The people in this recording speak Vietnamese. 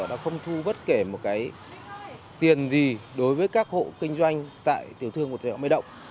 đã không thu bất kể một cái tiền gì đối với các hộ kinh doanh tại tiểu thương của chợ mai động